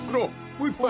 もう一杯］